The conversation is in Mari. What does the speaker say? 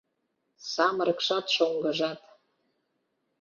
Самырыкшат, шоҥгыжат